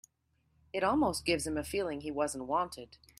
It almost gives him a feeling he wasn't wanted.